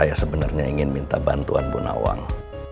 saya sebenarnya ingin minta bantuan bu nawang